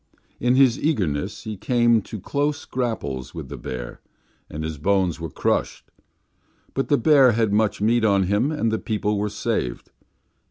In his eagerness he came to close grapples with the bear, and his bones were crushed; but the bear had much meat on him and the people were saved.